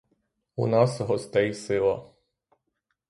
У нас гостей сила.